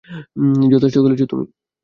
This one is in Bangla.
যথেষ্ট খেলেছো তুমি!